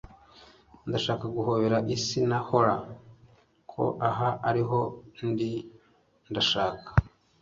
ndashaka guhobera isi na holler ko aha ariho ndi. ndashaka